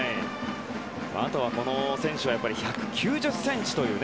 あとはこの選手は１９０ｃｍというね。